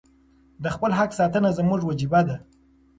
د خپل حق ساتنه زموږ وجیبه ده.